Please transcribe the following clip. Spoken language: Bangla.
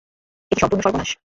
এ কী সম্পূর্ণ সর্বনাশ।